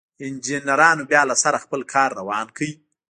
انجنيرانو بيا له سره خپل کار روان کړ.